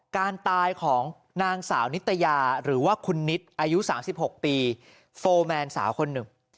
การตายของนางสาวนิตยาหรือว่าคุณนิดอายุ๓๖ปีโฟร์แมนสาวคนหนึ่ง